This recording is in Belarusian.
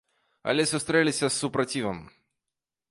Але сустрэліся з супрацівам.